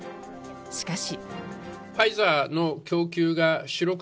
しかし。